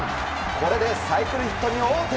これでサイクルヒットに王手。